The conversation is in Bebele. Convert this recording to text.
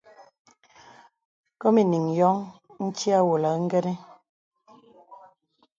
Kòm enīŋ yóŋ ntí àwolə ingənə.